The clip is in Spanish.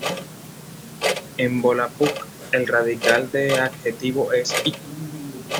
En volapük el radical de adjetivo es "-ik".